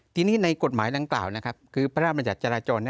ทีนี้ในกฎหมายต่างคือพระบันจัดจราจร